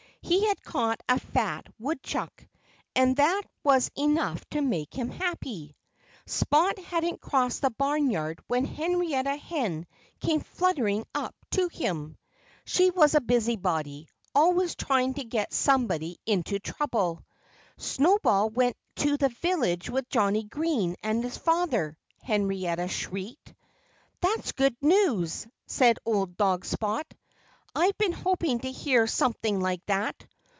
He had caught a fat woodchuck. And that was enough to make him happy. Spot hadn't crossed the barnyard when Henrietta Hen came fluttering up to him. She was a busybody, always trying to get somebody into trouble. "Snowball went to the village with Johnnie Green and his father!" Henrietta shrieked. "That's good news," said old dog Spot. "I've been hoping to hear something like that.